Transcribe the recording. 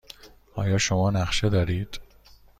آیا شما نقشه دارید؟